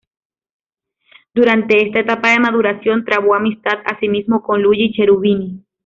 Durante esta etapa de maduración, trabó amistad asimismo con Luigi Cherubini.